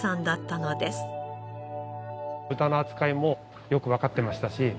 豚の扱いもよくわかってましたし